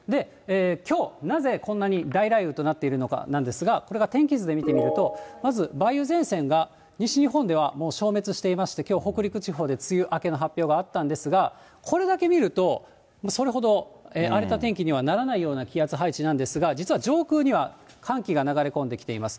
きょう、なぜ、こんなに大雷雨となっているかなんですが、これが天気図で見てみると、まず梅雨前線が、西日本ではもう消滅していまして、きょう北陸地方で梅雨明けの発表があったんですが、これだけ見ると、それほど荒れた天気にはならないような気圧配置なんですが、実は上空には寒気が流れ込んできています。